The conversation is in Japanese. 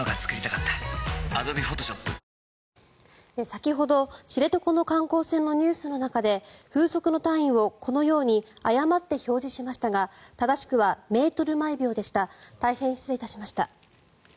先ほど知床の観光船のニュースの中で風速の単位をこのように誤って表示しましたが正しくはメートル毎秒でした大変失礼いたしました。